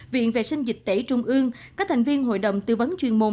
viện vệ sinh dịch tễ trung ương các thành viên hội đồng tư vấn chuyên môn